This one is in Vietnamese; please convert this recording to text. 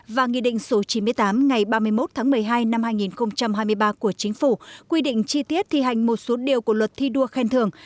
và nghị định số chín mươi tám ngày ba mươi một tháng một mươi hai năm hai nghìn hai mươi ba của chính phủ quy định chi tiết thi hành một số điều của luật thi đua khen thường